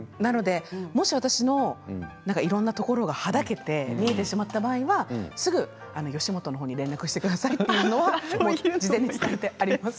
もし私のいろいろなところがはだけてきてしまった場合はすぐ吉本の方に連絡してくださいというのは事前に伝えてあります。